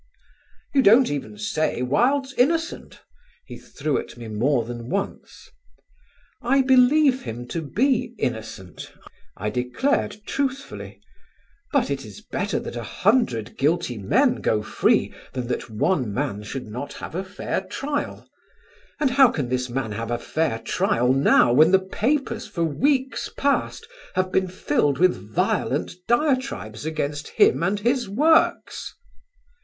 "You don't even say Wilde's innocent," he threw at me more than once. "I believe him to be innocent," I declared truthfully, "but it is better that a hundred guilty men go free than that one man should not have a fair trial. And how can this man have a fair trial now when the papers for weeks past have been filled with violent diatribes against him and his works?"